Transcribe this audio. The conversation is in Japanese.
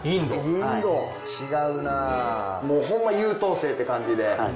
違うなもうホンマ優等生って感じで。